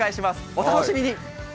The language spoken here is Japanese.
お楽しみに！